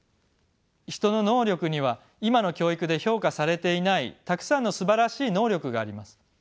人の能力には今の教育で評価されていないたくさんのすばらしい能力があります。